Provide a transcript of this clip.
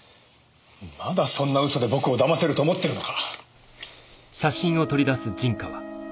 まだそんな嘘で僕をだませると思ってるのか？